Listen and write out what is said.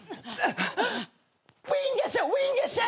ウィーンガシャウィーンガシャ。